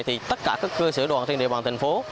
thì tất cả các cơ sở đoàn trên địa bàn thành phố